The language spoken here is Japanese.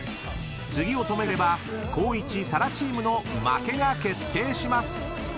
［次を止めれば光一・紗来チームの負けが決定します］